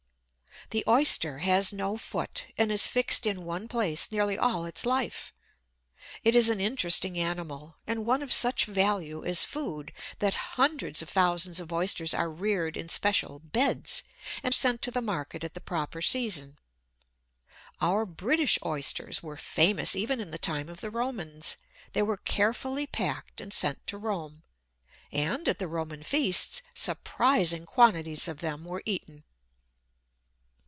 The Oyster has no "foot," and is fixed in one place nearly all its life. It is an interesting animal; and one of such value as food, that hundreds of thousands of Oysters are reared in special "beds," and sent to the market at the proper season. Our British Oysters were famous even in the time of the Romans; they were carefully packed and sent to Rome, and, at the Roman feasts, surprising quantities of them were eaten.